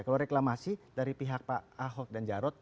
kalau reklamasi dari pihak pak ahok dan jarot